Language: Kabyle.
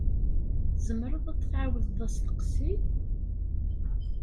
Tzemreḍ ad d-tɛawdeḍ asteqsi?